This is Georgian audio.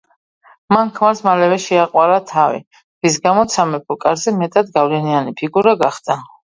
მან ქმარს მალევე შეაყვარა თავი, რის გამოც სამეფო კარზე მეტად გავლენიანი ფიგურა გახდა.